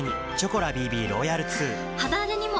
肌荒れにも！